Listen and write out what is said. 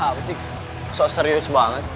apa sih sok serius banget